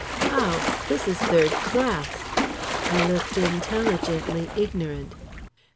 "How? This is third class!" I looked intelligently ignorant.